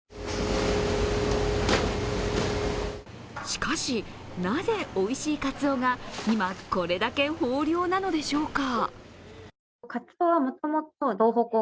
しかし、なぜおいしいかつおが今これだけ豊漁なのでしょうか。